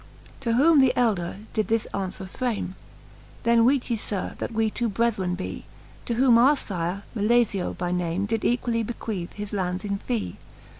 VII. To whom the elder did this aunfwere frame ; Then weete ye. Sir, that we two brethren be, To whom our fire, Milefio by name, Did equally bequeath his lands in fee.